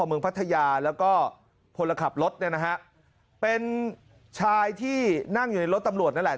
พัทยาแล้วก็พลขับรถเนี่ยนะฮะเป็นชายที่นั่งอยู่ในรถตำรวจนั่นแหละ